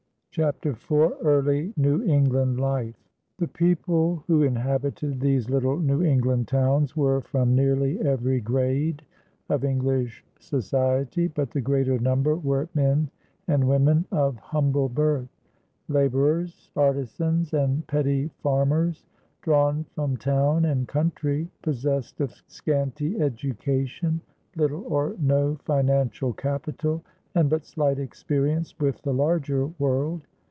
CHAPTER IV EARLY NEW ENGLAND LIFE The people who inhabited these little New England towns were from nearly every grade of English society, but the greater number were men and women of humble birth laborers, artisans, and petty farmers drawn from town and country, possessed of scanty education, little or no financial capital, and but slight experience with the larger world.